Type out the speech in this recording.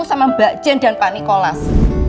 sama mbak jen dan pak nikolas